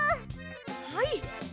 はい。